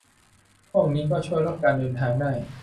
พวกนี้ก็ช่วยลดการเดินทางได้